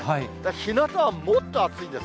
ひなたはもっと暑いんです。